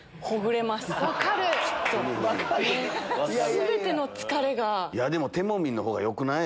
全ての疲れが。